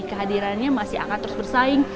kehadirannya masih akan terus bersaing